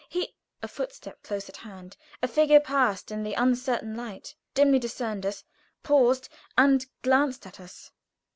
He " A footstep close at hand. A figure passed in the uncertain light, dimly discerned us, paused, and glanced at us.